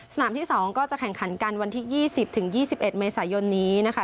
สนามที่สองก็จะแข่งขันกันวันที่ยี่สิบถึงยี่สิบเอ็ดเมษายนนี้นะคะ